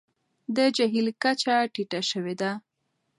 د جهیل کچه ټیټه شوې ده.